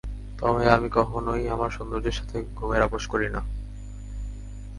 তবে আমি কখনই আমার সৌন্দর্যের সাথে ঘুমের আপোষ করি না।